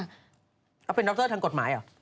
เขาเป็นดอกเตอร์ทางกฎหมายเหรอ